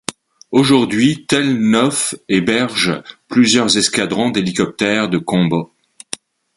Aujourd'hui Tel Nof héberge plusieurs escadrons d'hélicoptères de combat.